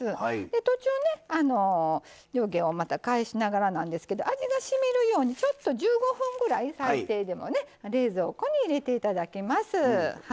途中上下を返しながらなんですけど味がしみるように１５分ぐらい最低でも冷蔵庫に入れていただきます。